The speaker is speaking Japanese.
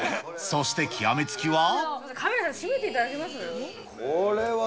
そして、極め付きは。